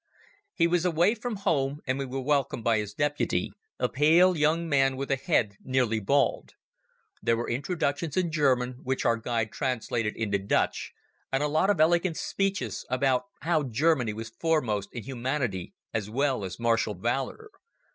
He was away from home, and we were welcomed by his deputy, a pale young man with a head nearly bald. There were introductions in German which our guide translated into Dutch, and a lot of elegant speeches about how Germany was foremost in humanity as well as martial valour.